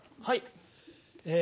はい。